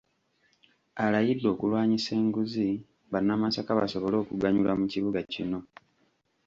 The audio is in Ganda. Alayidde okulwanyisa enguzi, bannamasaka basobole okuganyulwa mu kibuga kino.